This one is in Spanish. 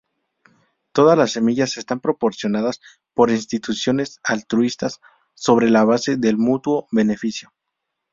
Todas las semillas están proporcionadas por instituciones altruistas sobre la base del mutuo beneficio.